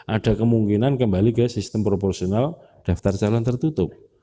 ada kemungkinan kembali ke sistem proporsional daftar calon tertutup